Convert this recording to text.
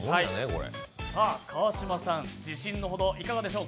川島さん、自信のほどいかがでしょう。